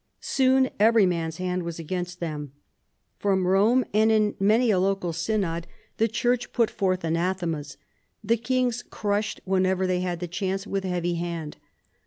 Soon every man's hand was against them. From Eome and in many a local synod the Church put v THE ADVANCE OF THE MONARCHY 157 forth anathemas. The kings crushed, whenever they had the chance, with heavy hand.